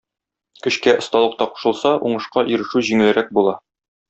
Көчкә осталык та кушылса, уңышка ирешү җиңелрәк була.